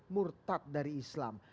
murtad dari islam